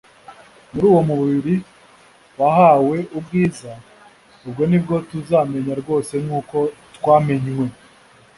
muri uwo mubiri wahawe ubwiza. Ubwo nibwo tuzamenya rwose nk'uko twamenywe'.